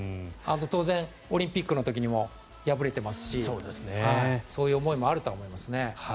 当然、オリンピックの時にも敗れてますしそういう思いもあるとは思いますね。